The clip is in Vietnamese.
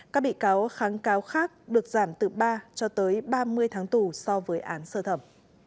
các bị cáo kháng cáo khác được giảm từ ba cho tới ba mươi tháng tù so với án sơ thẩm